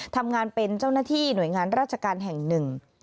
ทำงานเป็นเจ้าหน้าที่หน่วยงานราชการแห่งหนึ่ง